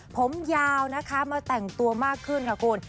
ผมยาวนะคะมาแต่งตัวมากขึ้นค่ะคุณ